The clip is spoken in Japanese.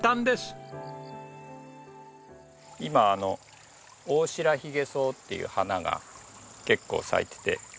今オオシラヒゲソウっていう花が結構咲いてて。